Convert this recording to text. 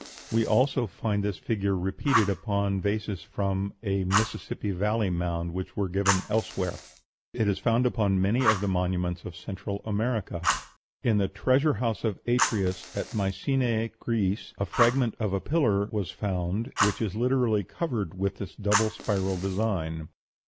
We also find this figure repeated upon vase from a Mississippi Valley mound, which we give elsewhere. (See p. 260.) It is found upon many of the monuments of Central America. In the Treasure House of Atreus, at Mycenæ, Greece, a fragment of a pillar was found which is literally covered with this double spiral design.